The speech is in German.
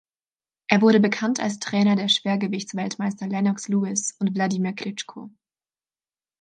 Er wurde bekannt als Trainer der Schwergewichts-Weltmeister Lennox Lewis und Wladimir Klitschko.